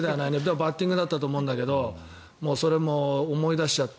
バッティングだったと思うんだけどそれも思い出しちゃって。